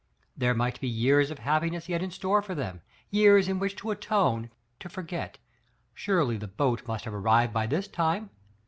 There might be* years of happi ness yet in store for them — years in which to atone, to forget. Surely the boat must have arrived by this time!